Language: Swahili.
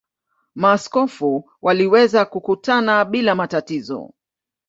Maaskofu waliweza kukutana bila matatizo.